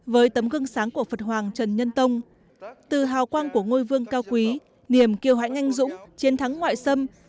với tấm gương sáng của phật hoàng trần nhân tông từ hào quang của ngôi vương cao quý niềm kiều hãi anh dũng chiến thắng ngoại xâm